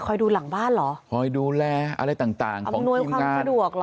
คอยดูหลังบ้านเหรอคอยดูแลอะไรต่างอำหนุนความประดวกเหรอ